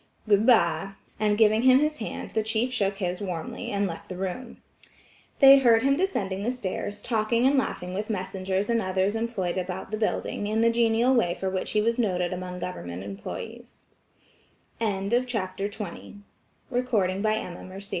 "Good bye," and giving him his hand, the chief shook his warmly, and left the room." They heard him descending the stairs, talking and laughing with messengers and others employed about the building, in the genial way for which he was noted among government employe